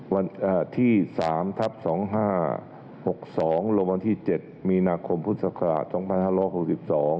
วันที่๓ทัพ๒๕๖๒รวมวันที่๗มีนาคมพุทธศักราชช่องพันธุ์ฮะล้อ๖๒